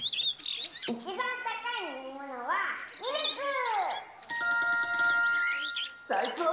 いちばんたかいのみものはミルク！さいこう！